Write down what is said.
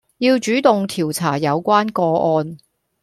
要主動調查有關個案